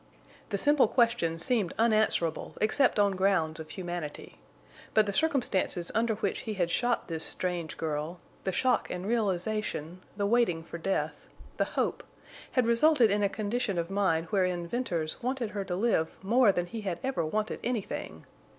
The simple question seemed unanswerable except on grounds of humanity. But the circumstances under which he had shot this strange girl, the shock and realization, the waiting for death, the hope, had resulted in a condition of mind wherein Venters wanted her to live more than he had ever wanted anything.